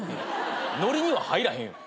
ノリには入らへんよ。